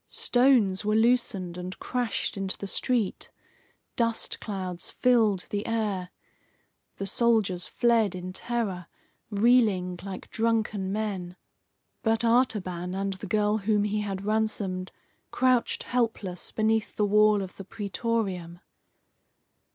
Stones were loosened and crashed into the street. Dust clouds filled the air. The soldiers fled in terror, reeling like drunken men. But Artaban and the girl whom he had ransomed crouched helpless beneath the wall of the Praetorium.